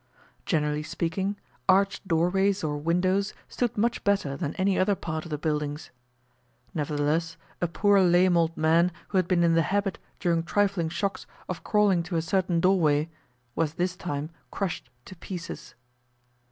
Generally speaking, arched doorways or windows stood much better than any other part of the buildings. Nevertheless, a poor lame old man, who had been in the habit, during trifling shocks, of crawling to a certain doorway, was this time crushed to pieces.